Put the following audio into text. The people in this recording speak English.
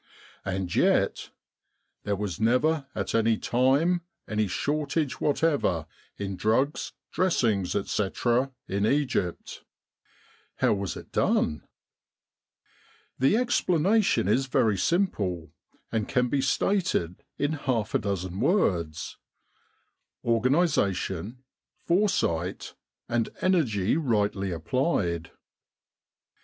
And yet, * 'there was never at any time any shortage whatever 46 Egypt and the Great War in drugs, dressings, etc., in Egypt.'* x How was it done? The explanation is very simple, and can be stated in half a dozen words: Organisation, foresight, and energy rightly applied.